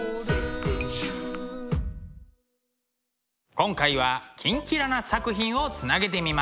今回は「キンキラ★」な作品をつなげてみました。